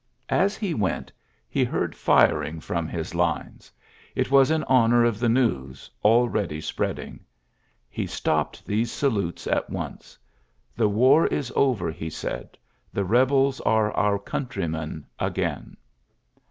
As he went, heard firing from his lines. It was honour of the news, already spreadi He stopped these salutes at once. " "j war is over," he said. ^'The rebels our countrymen again."